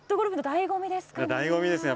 だいご味ですね。